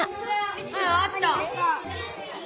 うんあった。